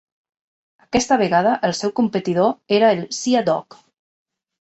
Aquesta vegada el seu competidor era el "Sea Dog".